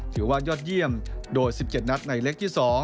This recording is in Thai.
ถือว่ายอดเยี่ยมโดย๑๗นัดในเล็กที่๒